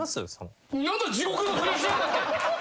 何だ地獄のふりしやがって。